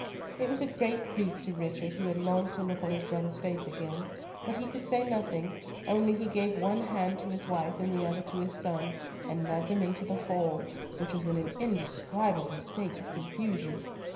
It was a great grief to Richard, who had longed to look on his brother's face again, but he could say nothing, only he gave one hand to his wife and the other to his son, and led them into the hall, which was in an indescribable state of confusion.